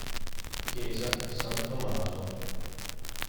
Chiesa di San Tomaso